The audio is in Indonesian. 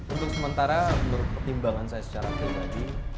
untuk sementara menurut pertimbangan saya secara pribadi